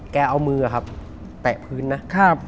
แกเอามือแตะพื้นนะ